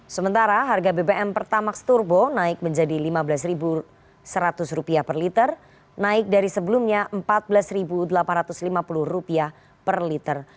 sementara harga bbm pertamax turbo naik menjadi rp lima belas seratus per liter naik dari sebelumnya rp empat belas delapan ratus lima puluh per liter